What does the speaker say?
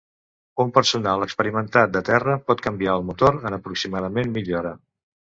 Un personal experimentat de terra pot canviar el motor en aproximadament mitja hora.